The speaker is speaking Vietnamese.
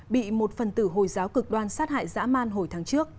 bị một phần tử hồi giáo cực đoan sát hại dã man hồi tháng một mươi